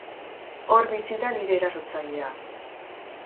Hor bizi da nire erasotzailea.